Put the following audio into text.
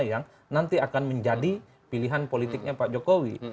yang nanti akan menjadi pilihan politiknya pak jokowi